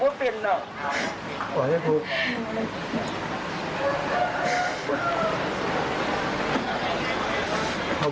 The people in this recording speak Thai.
ขอลองขอเพื่อนว่าน้ำลูกขอให้ลูกจำน้ำ